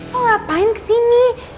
lo ngapain kesini